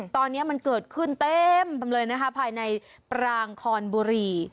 ตอนนี้มันเกิดขึ้นเต็มไปเลยนะคะภายในปรางคอนบุรี